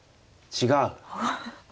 違う。